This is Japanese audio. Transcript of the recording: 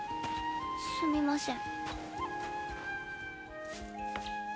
すみません。